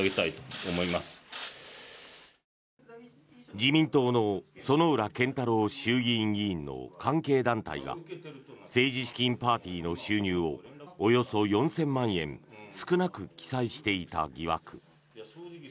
自民党の薗浦健太郎衆議院議員の関係団体が政治資金パーティーの収入をおよそ４０００万円少なく記載していた疑惑。